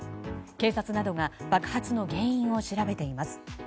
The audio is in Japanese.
警察などが爆発の原因を調べています。